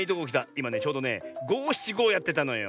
いまねちょうどねごしちごをやってたのよ。